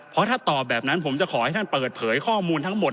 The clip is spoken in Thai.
เพราะถ้าตอบแบบนั้นผมจะขอให้ท่านเปิดเผยข้อมูลทั้งหมด